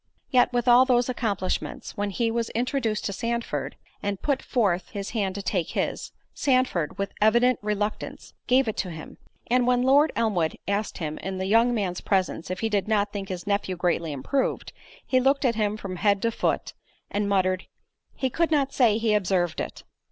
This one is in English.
Yet with all those accomplishments, when he was introduced to Sandford, and put forth his hand to take his, Sandford, with evident reluctance, gave it to him; and when Lord Elmwood asked him, in the young man's presence, "If he did not think his nephew greatly improved?" He looked at him from head to foot, and muttered "He could not say he observed it."